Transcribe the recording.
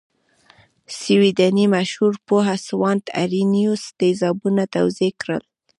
سویډنۍ مشهور پوه سوانت ارینوس تیزابونه توضیح کړل.